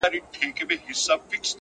شراب لس خُمه راکړه” غم په سېلاب راکه”